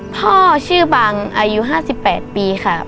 พ่อชื่อบังอายุ๕๘ปีค่ะ